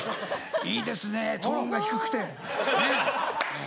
いいですね、トーンが低くて。